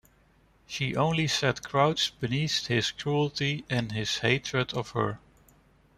She only sat crouched beneath his cruelty and his hatred of her.